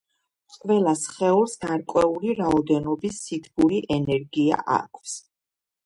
ყველა სხეულს გარკვეული რაოდენობის სითბური ენერგია აქვს